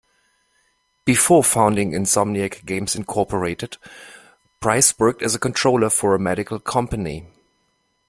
Before founding Insomniac Games, Incorporated Price worked as a controller for a medical company.